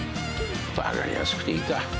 分かりやすくていいか。